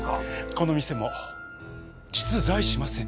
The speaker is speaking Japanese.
この店も実在しません。